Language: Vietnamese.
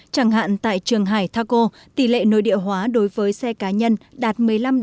chẳng hạn tại trường hải tha cô tỷ lệ nội địa hóa đối với xe cá nhân đạt một mươi năm một mươi tám